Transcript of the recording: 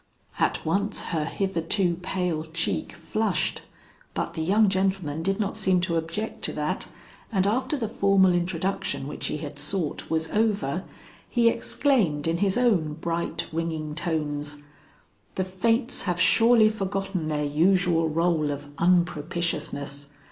At once her hitherto pale cheek flushed, but the young gentleman did not seem to object to that, and after the formal introduction which he had sought was over, he exclaimed in his own bright ringing tones, "The fates have surely forgotten their usual rôle of unpropitiousness.